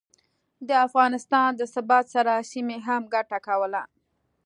د افغانستان د ثبات سره، سیمې هم ګټه کوله